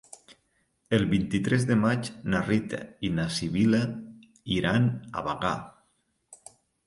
El vint-i-tres de maig na Rita i na Sibil·la iran a Bagà.